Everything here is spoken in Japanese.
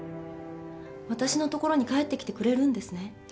わたしのところに帰ってきてくれるんですね？